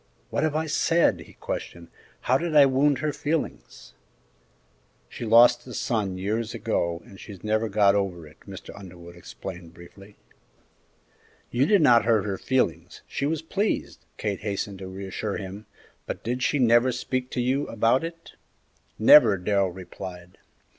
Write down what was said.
"What have I said?" he questioned; "how did I wound her feelings?" "She lost a son years ago, and she's never got over it," Mr. Underwood explained, briefly. "You did not hurt her feelings she was pleased," Kate hastened to reassure him; "but did she never speak to you about it?" "Never," Darrell replied.